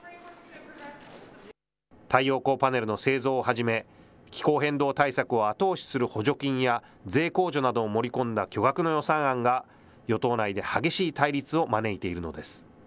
太陽光パネルの製造をはじめ、気候変動対策を後押しする補助金や税控除などを盛り込んだ巨額の予算案が、与党内で激しい対立を招いているのです。